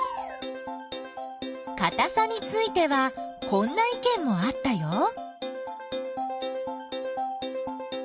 かたさについてはこんないけんもあったよ。